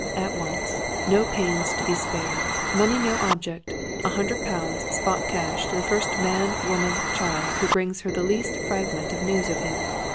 At once. No pains to be spared. Money no object. A hundred pounds, spot cash, to the first man, woman, child, who brings her the least fragment of news of him.